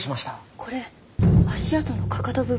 これ足跡のかかと部分。